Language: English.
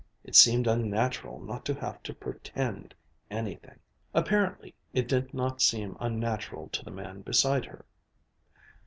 It seemed unnatural not to have to pretend anything! Apparently it did not seem unnatural to the man beside her.